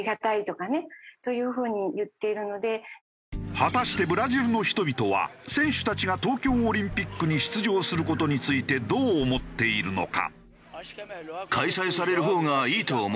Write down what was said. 果たしてブラジルの人々は選手たちが東京オリンピックに出場する事についてどう思っているのか？